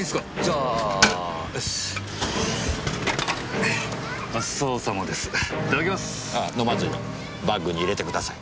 あ飲まずにバッグに入れてください。